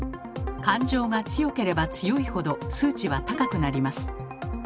感情が強ければ強いほど数値は高くなります。